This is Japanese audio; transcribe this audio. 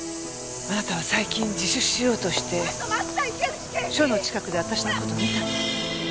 あなたは最近自首しようとして署の近くで私の事を見たんですね。